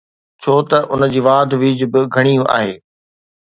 ڇو ته ان جي واڌ ويجهه به گهڻي آهي.